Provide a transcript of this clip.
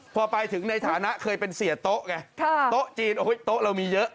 พอไปถึงในฐานะเคยเป็นเสียโต๊ะไงโต๊ะจีนโต๊ะเรามีเยอะ